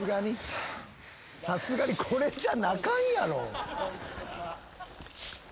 さすがにこれじゃ泣かんやろ。